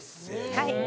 はい。